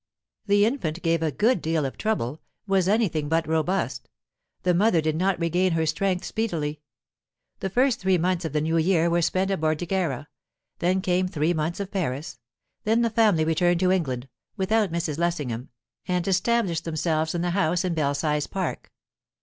The infant gave a good deal of trouble, was anything but robust; the mother did not regain her strength speedily. The first three months of the new year were spent at Bordighera; then came three months of Paris; then the family returned to England (without Mrs. Lessingham), and established themselves in the house in Belsize Park.